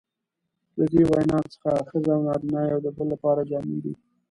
له دې وینا څخه ښځه او نارینه یو د بل لپاره جامې دي.